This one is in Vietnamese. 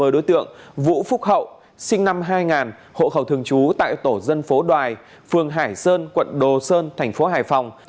đối tượng vũ phúc hậu sinh năm hai nghìn hộ khẩu thương chú tại tổ dân phố đoài phường hải sơn quận đồ sơn tp hải phòng